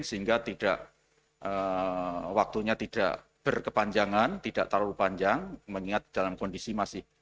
sehingga tidak waktunya tidak berkepanjangan tidak terlalu panjang mengingat dalam kondisi masih